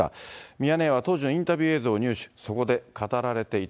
ミヤネ屋は当時のインタビュー映像を入手。